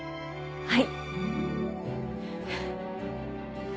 はい！